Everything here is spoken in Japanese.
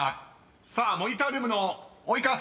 ［さあモニタールームの及川さん